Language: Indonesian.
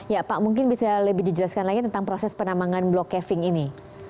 ya pak mungkin bisa lebih dijelaskan lagi tentang proses penambangan block caving ini